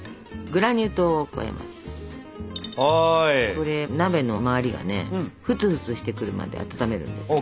これ鍋の周りがねフツフツしてくるまで温めるんですけど。